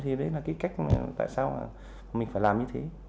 thì đấy là cái cách tại sao mình phải làm như thế